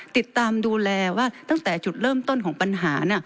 ติดตามดูแลว่าตั้งแต่จุดเริ่มต้นของปัญหา